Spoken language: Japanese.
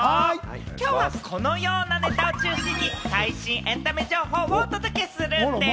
今日はこのようなネタを中心に最新エンタメ情報をお届けするんでぃす。